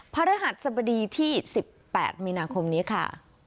พระรหัสสบดีที่๑๘มีนาคมนี้ค่ะ